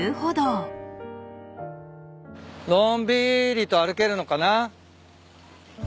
のんびりと歩けるのかな？